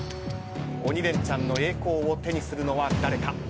鬼レンチャンの栄光を手にするのは誰か。